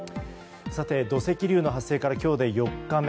土石流の発生から今日で４日目。